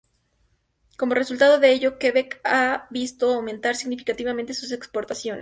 Como resultado de ello, Quebec ha visto aumentar significativamente sus exportaciones.